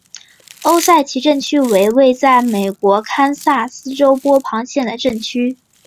欧塞奇镇区为位在美国堪萨斯州波旁县的镇区。